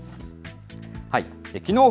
きのう